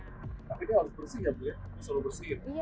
tapi ini harus bersih ya bu ya